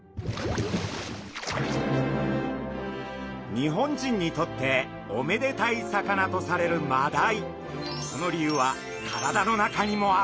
日本人にとっておめでたい魚とされるマダイ。